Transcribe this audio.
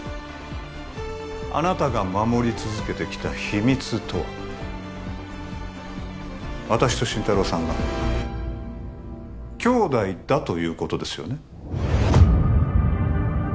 あなたが守り続けてきた秘密とは私と心太朗さんが兄弟だということですよね？